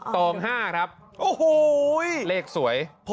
ตอง๕ครับเลขสวยโอ้โฮ